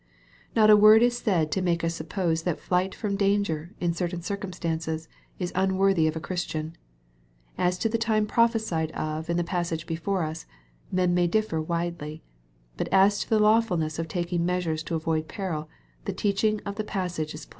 Not a word is said to make us suppose that flight from danger, in certain circumstances, is unworthy of a Christian. As to the time prophesied of in the passage before us, men may differ widely. But as to the lawfulness of taking measures to avoid peril, the teaching of the passage is plain.